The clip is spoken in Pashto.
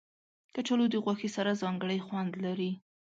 کچالو د غوښې سره ځانګړی خوند لري